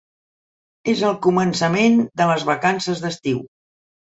És el començament de les vacances d'estiu.